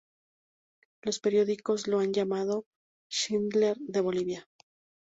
Los periódicos lo han llamado "Schindler de Bolivia".